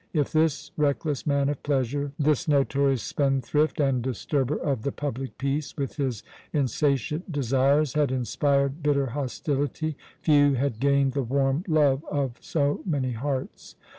If this reckless man of pleasure, this notorious spendthrift and disturber of the public peace, with his insatiate desires, had inspired bitter hostility, few had gained the warm love of so many hearts.